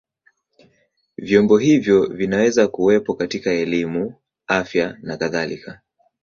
Vyombo hivyo vinaweza kuwepo katika elimu, afya na kadhalika.